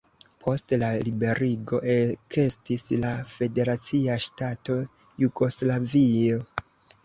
Post la liberigo ekestis la federacia ŝtato Jugoslavio.